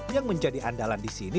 yang menjadi andalan di sini